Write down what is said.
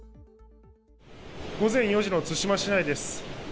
午前４時の対馬市内です。